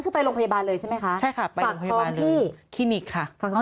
คือไปโรงพยาบาลเลยใช่ไหมคะใช่ค่ะไปฝั่งท้องที่คลินิกค่ะฝั่งท้อง